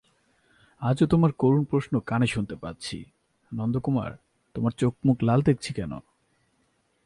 আজও তোমার করুণ প্রশ্ন কানে শুনতে পাচ্ছি, নন্দকুমার তোমার চোখমুখ লাল দেখছি কেন।